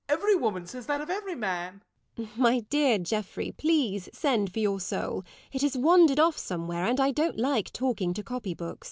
_] My dear Geoffrey, please send for your soul; it has wandered off somewhere, and I don't like talking to copybooks.